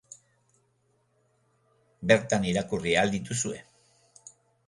Bertan irakurri ahal dituzue.